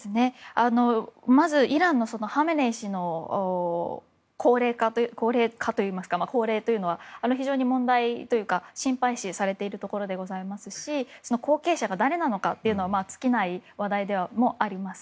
まずイランのハメネイ師が高齢というのは非常に問題というか心配視されているところでございまして後継者が誰なのかというのも尽きない話題でもあります。